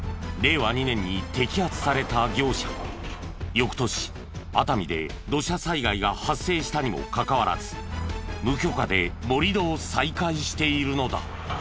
翌年熱海で土砂災害が発生したにもかかわらず無許可で盛り土を再開しているのだ。